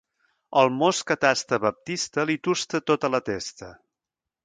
El most que tasta Baptista li tusta tota la testa.